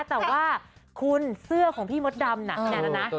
แต่ว่าคุณเสื้อของพี่มดดำนะ